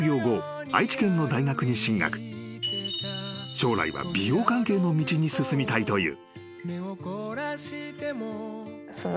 ［将来は美容関係の道に進みたいという］